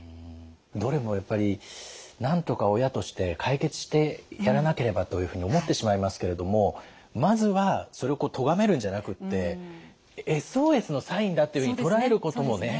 どれもやっぱりなんとか親として解決してやらなければというふうに思ってしまいますけれどもまずはそれをとがめるんじゃなくってＳＯＳのサインだっていうふうに捉えることもね